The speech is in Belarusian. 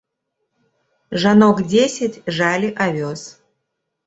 Жанок дзесяць жалі авёс.